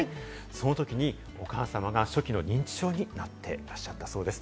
そのときにお母様が初期の認知症になっていらっしゃったそうです。